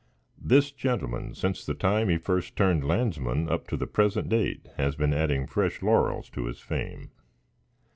This gentleman, since the time he first turned landsman up to the present date, has been adding fresh laurels to his fame.